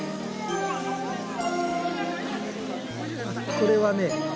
これはね